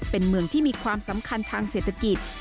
เป็นเมืองที่มีความสำคัญทางเศรษฐกิจ